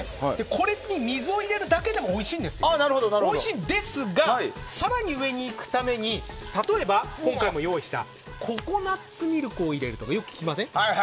これに水を入れるだけでもおいしいですが更に上に行くために例えば、今回も用意したココナッツミルクを入れるとか聞きます。